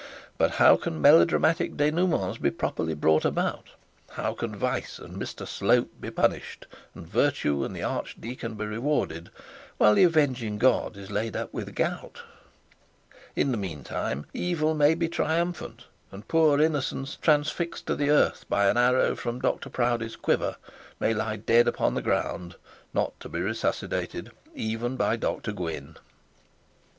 But how can melodramatic denouments be properly brought about, how can vice and Mr Slope be punished, and virtue and the archdeacon be rewarded, while the avenging god is laid up with the gout? In the mean time evil may be triumphant, and poor innocence, transfixed to the earth by an arrow from Dr Proudie's quiver, may be dead upon the ground, not to be resuscitated even by Dr Gwynne.